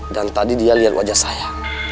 dan tadi dia lihat wajah saya